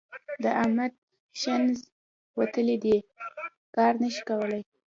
د احمد ښنځ وتلي دي؛ کار نه شي کولای.